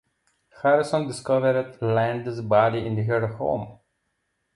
Harrison discovered Landis' body in her home.